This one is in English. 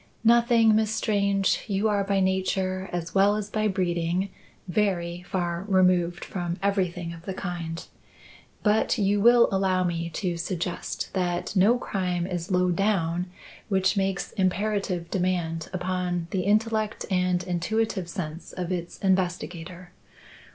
"Nothing, Miss Strange. You are by nature, as well as by breeding, very far removed from everything of the kind. But you will allow me to suggest that no crime is low down which makes imperative demand upon the intellect and intuitive sense of its investigator.